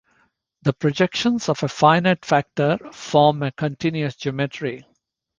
The projections of a finite factor form a continuous geometry.